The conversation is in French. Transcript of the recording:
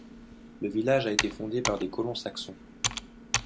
Le village a été fondé par des colons saxons.